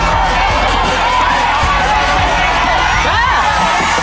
พอสุดท้ายแล้ว